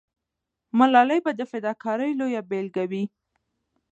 ملالۍ به د فداکارۍ لویه بیلګه وي.